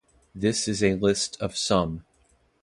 This is a list of some.